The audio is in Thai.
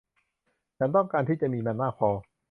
ฉันต้องการที่จะมีมันมากพอ